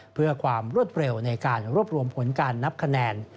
เพื่อความรวดเร็วในการรวบรวมผลการนับคะแนน